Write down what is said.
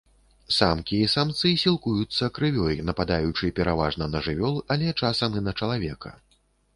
Самкі і самцы сілкуюцца крывёй, нападаючы пераважна на жывёл, але часам і на чалавека.